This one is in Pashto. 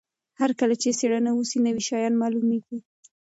هر کله چې څېړنه وسي نوي شیان معلومیږي.